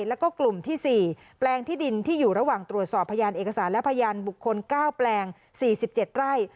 แล้วก็กลุ่มที่๔แปลงที่ดินที่อยู่ระหว่างตรวจสอบพยานเอกสารและพยานบุคคล๙แปลง๔๗ไร่